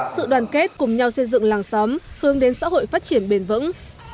sự đoàn kết cùng nhau xây dựng làng xóm hướng đến xã hội phát triển bền vững